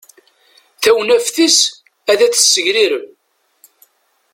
Tawnafit-is ad t-tessegrireb.